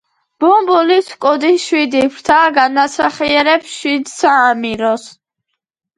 ბუმბულის კუდის შვიდი ფრთა განასახიერებს შვიდ საამიროს.